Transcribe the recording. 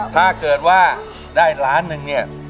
ถ้าเกิดว่าได้ล้านหนึ่งเนี่ย